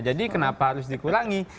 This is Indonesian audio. jadi kenapa harus dikurangi